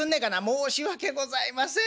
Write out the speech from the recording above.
「申し訳ございません。